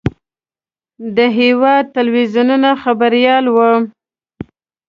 د هېواد تلویزیون خبریال و.